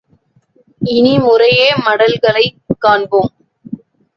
இனி முறையே மடல்களைக் காண்பாம்.